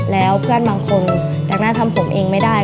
แล้วเพื่อนบางคนจากหน้าทำผมเองไม่ได้